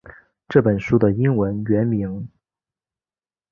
这本书的英文原名